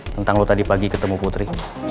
tentang lo tadi pagi ketemu putri